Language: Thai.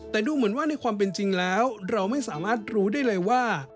แต่ดูเหมือนว่าในความเป็นจริงแล้วเราไม่สามารถรู้ได้เลยว่า